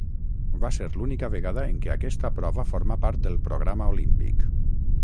Va ser l'única vegada en què aquesta prova formà part del programa olímpic.